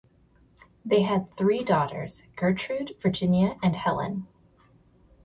They had three daughters, Gertrude, Virginia, and Helen.